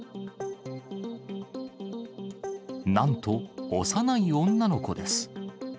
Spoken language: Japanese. なんと、幼い女の子です。